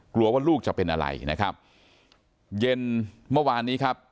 กลัวว่าลูกจะเป็นอะไรนะครับเย็นเมื่อวานนี้ครับ